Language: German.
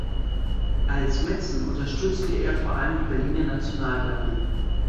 Als Mäzen unterstützte er vor allem die Berliner Nationalgalerie.